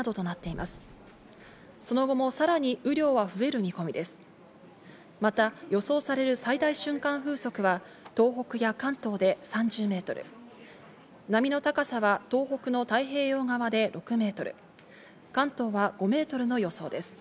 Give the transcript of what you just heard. また予想される最大瞬間風速は、東北や関東で３０メートル、波の高さは東北の太平洋側で６メートル、関東は５メートルの予想です。